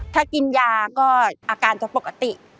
ถ้ากินยาก็อาการจะปกติ